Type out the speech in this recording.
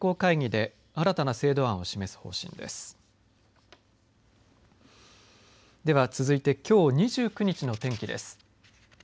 では続いて、きょう２９日の天気です。